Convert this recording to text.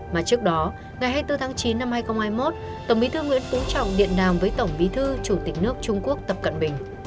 mà trước đó ngày hai mươi bốn tháng chín năm hai nghìn hai mươi một tổng bí thư nguyễn phú trọng điện đàm với tổng bí thư chủ tịch nước trung quốc tập cận bình